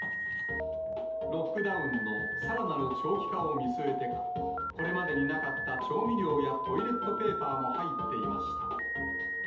ロックダウンのさらなる長期化を見据えてか、これまでになかった調味料やトイレットペーパーも入っていました。